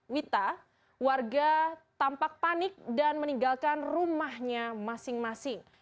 wita warga tampak panik dan meninggalkan rumahnya masing masing